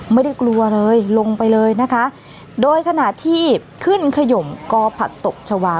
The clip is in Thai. ไม่ได้กลัวเลยลงไปเลยนะคะโดยขณะที่ขึ้นขยมกอผักตบชาวา